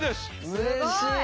うれしい。